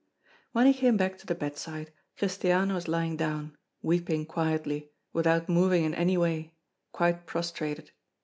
When he came back to the bedside Christiane was lying down, weeping quietly, without moving in any way, quite prostrated.